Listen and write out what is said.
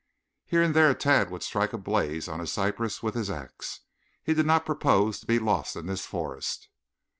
Here and there Tad would strike a blaze on a cypress with his axe. He did not propose to be lost in this forest.